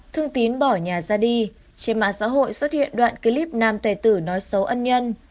thương tín bỏ nhà ra đi trên mạng xã hội xuất hiện đoạn clip nam tề tử nói xấu ân nhân